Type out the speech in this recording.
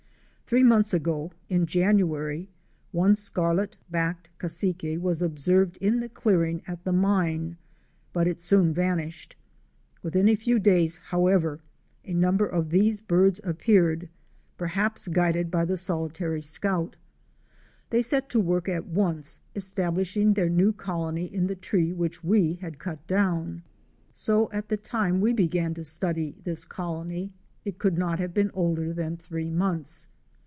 Three months ago, in January, one Scarlet backed Cassique was observed in the clearing at the mine, but it soon vanished. Within a few days, however, a number of these birds appeared, perhaps guided by the solitary scout. A GOLD MINE IN THE WILDERNESS 205 They set to work at once, establishing their new colony in the tree which we had cut down. So at the time we began to study this colony, it could not have been older than three months.